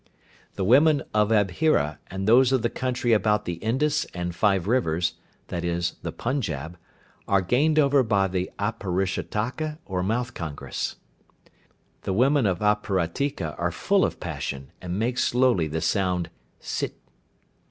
The women of Abhira, and those of the country about the Indus and five rivers (i.e., the Punjab), are gained over by the Auparishtaka or mouth congress. The women of Aparatika are full of passion, and make slowly the sound "Sit."